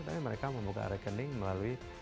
tapi mereka membuka rekening melalui